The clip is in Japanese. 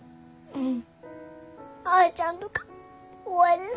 うん。